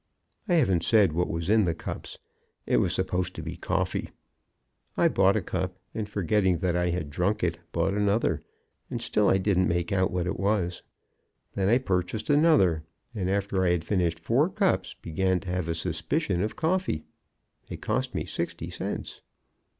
I haven't said what was in the cups; it was supposed to be coffee. I bought a cup, and forgetting that I had drunk it, bought another, and still I didn't make out what it was. Then I purchased another, and after I had finished four cups began to have a suspicion of coffee. It cost me sixty cents.